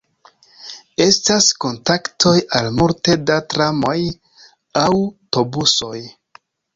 Estas kontaktoj al multe da tramoj, aŭtobusoj.